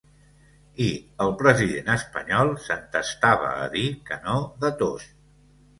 I el president espanyol s’entestava a dir que no de tot.